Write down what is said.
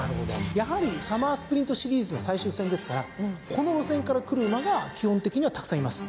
やはりサマースプリントシリーズの最終戦ですからこの路線からくる馬が基本的にはたくさんいます。